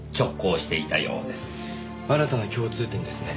新たな共通点ですね。